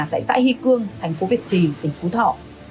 tại xã hy cương thành phố việt trì tỉnh phú thọ